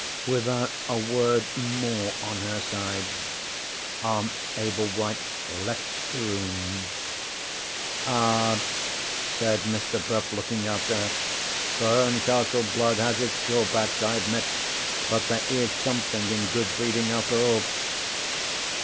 Without a word more, on her side, Aunt Ablewhite left the room. "Ah!" said Mr. Bruff, looking after her. "The Herncastle blood has its drawbacks, I admit. But there is something in good breeding after all!"